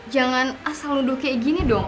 jangan asal nuduh kayak gini dong